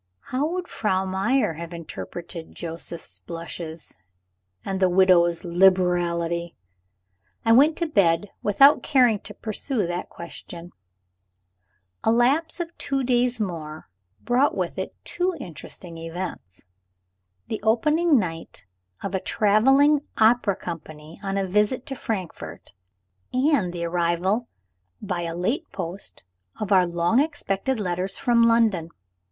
How would Frau Meyer have interpreted Joseph's blushes, and the widow's liberality? I went to bed without caring to pursue that question. A lapse of two days more brought with it two interesting events: the opening night of a traveling opera company on a visit to Frankfort, and the arrival by a late post of our long expected letters from London.